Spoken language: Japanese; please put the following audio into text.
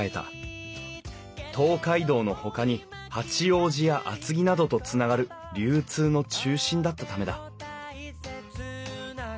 東海道のほかに八王子や厚木などとつながる流通の中心だったためだ